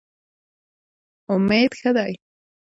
امید ښه دی.